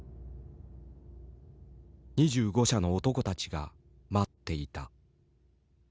２５社の男たちが待っていた。